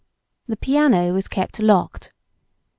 The piano was kept locked.